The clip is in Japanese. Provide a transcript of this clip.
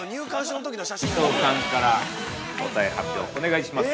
◆伊藤さんから答えの発表をお願いします。